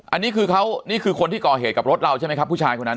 อันนี้คือเขานี่คือคนที่ก่อเหตุกับรถเราใช่ไหมครับผู้ชายคนนั้น